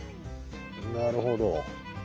なるほど。